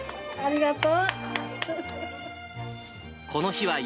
ありがとう。